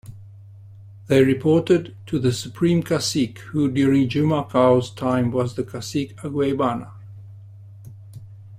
They reported to the "Supreme Cacique", who during Jumacao's time was the Cacique Agueybana.